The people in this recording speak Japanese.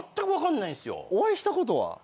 お会いしたことは？